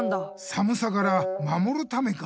さむさから守るためか。